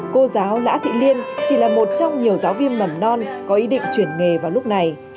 cô giáo lã thị liên chỉ là một trong nhiều giáo viên mầm non có ý định chuyển nghề vào lúc này